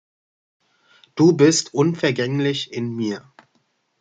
Du bist unvergänglich in mir!